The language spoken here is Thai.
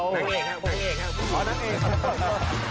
ต้องเร่งเอก